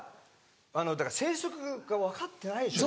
あのだから生息が分かってないでしょ